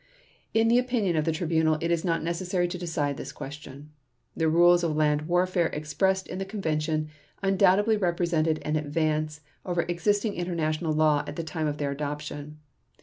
In the opinion of the Tribunal it is not necessary to decide this question. The rules of land warfare expressed in the Convention undoubtedly represented an advance over existing international law at the time of their adoption.